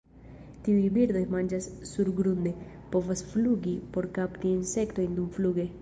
Tiuj birdoj manĝas surgrunde, povas flugi por kapti insektojn dumfluge.